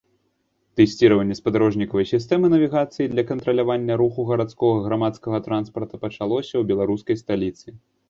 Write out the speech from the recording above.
Тэсціраванне спадарожнікавай сістэмы навігацыі для кантралявання руху гарадскога грамадскага транспарта пачалося ў беларускай сталіцы.